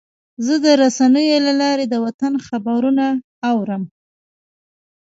زه د رسنیو له لارې د وطن خبرونه اورم.